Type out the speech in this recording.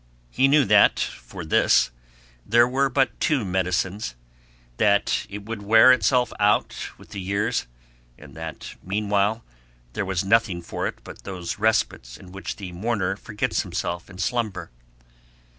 He knew that for this there were but two medicines; that it would wear itself out with the years, and that meanwhile there was nothing for it but those respites in which the mourner forgets himself in slumber.